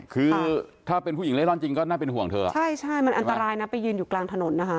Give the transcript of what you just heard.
คือถ้าเป็นผู้หญิงเล่นร่อนจริงก็น่าเป็นห่วงเธอใช่ใช่มันอันตรายนะไปยืนอยู่กลางถนนนะคะ